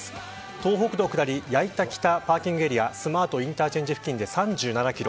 東北道下り矢板北パーキングエリアスマートインターチェンジ付近で３７キロ